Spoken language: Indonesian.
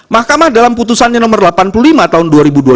mahkamah dalam putusannya nomor delapan puluh lima tahun dua ribu dua puluh